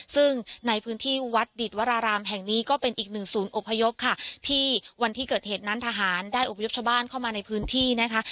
ซึ่งในพื้นที่วัดดิตวรารามแห่งนี้ก็เป็นอีกหนึ่งศูนย์อพยพค่ะที่วันที่เกิดเหตุนั้นทหารได้อบพยพชาวบ้านเข้ามาในพื้นที่นะคะ